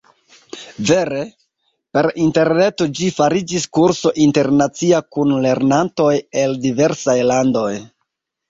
Vere, per interreto ĝi fariĝis kurso internacia kun lernantoj el diversaj landoj.